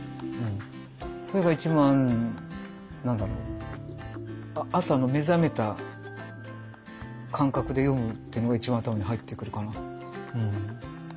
それが一番何だろう朝の目覚めた感覚で読むっていうのが一番頭に入ってくるかな。